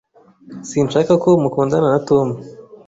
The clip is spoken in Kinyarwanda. Sinshaka ko mukundana na Tom.